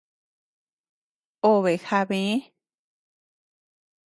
Obe jabë.